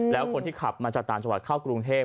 แล้วคนที่ขับมาจากต่างจังหวัดเข้ากรุงเทพ